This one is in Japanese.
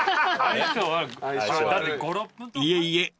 ［いえいえ